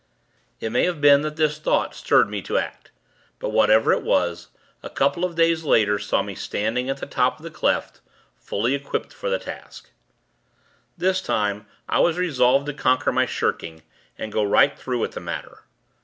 It may have been that this thought stirred me to act; but, whatever it was, a couple of days later, saw me standing at the top of the cleft, fully equipped for the task. This time, I was resolved to conquer my shirking, and go right through with the matter.